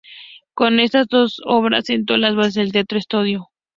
Con estas dos obras sentó las bases del teatro estonio.